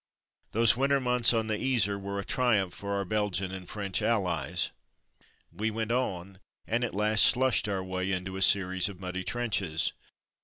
Those winter months on the Yser were a triumph for our Belgian and French allies. We went on, and at last slushed our way into a series of muddy trenches.